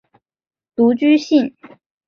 独居性。